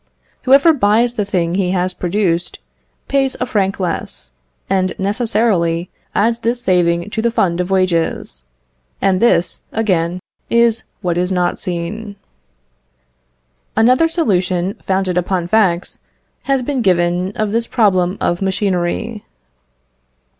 Whoever buys the thing he has produced, pays a franc less, and necessarily adds this saving to the fund of wages; and this, again, is what is not seen. Another solution, founded upon facts, has been given of this problem of machinery.